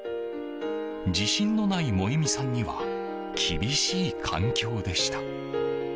自信のない萌美さんには厳しい環境でした。